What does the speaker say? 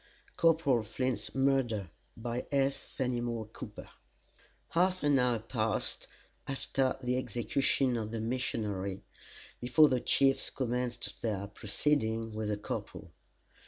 CORPORAL FLINT'S MURDER By J. FENIMORE COOPER Half an hour passed after the execution of the missionary before the chiefs commenced their proceedings with the corporal.